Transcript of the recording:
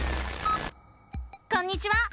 こんにちは！